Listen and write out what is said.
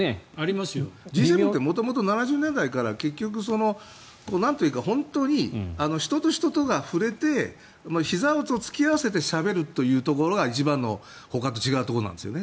Ｇ７って元々、７０年代から本当に人と人とが触れてひざを突き合わせてしゃべるというところが一番のほかと違うところなんですよね。